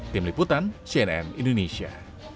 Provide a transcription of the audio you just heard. tim liputan cnn indonesia